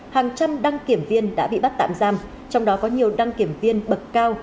hàng trăm đăng kiểm viên đã bị bắt tạm giam trong đó có nhiều đăng kiểm viên bậc cao